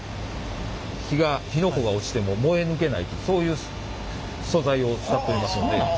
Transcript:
火が火の粉が落ちても燃え抜けないというそういう素材を使ってますので。